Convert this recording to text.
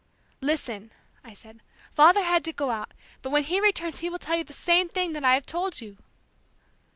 "Listen," I said; "father had to go out, but when he returns he will tell you the same thing that I have told you!"